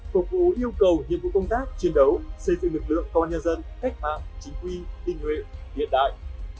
phục vụ yêu cầu nhiệm vụ công tác chiến đấu xây dựng lực lượng công an nhân dân cách mạng chính quy tinh nguyện hiện đại